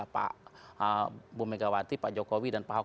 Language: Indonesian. pak bu megawati pak jokowi dan pak ahok